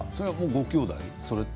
ごきょうだいで？